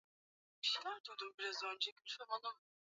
sofapaka ikashindwa kutetea ubingwa wake